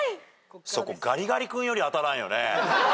そこガリガリ君より当たらんよね。